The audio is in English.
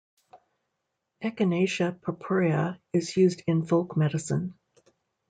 "Echinacea purpurea" is used in folk medicine.